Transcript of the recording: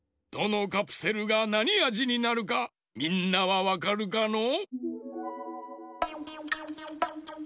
どのカプセルがなにあじになるかみんなはわかるかの？